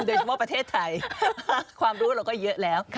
โดยเฉพาะประเทศไทยความรู้เราก็เยอะแล้ว